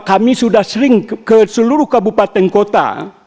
kami sudah sering ke seluruh kabupaten kota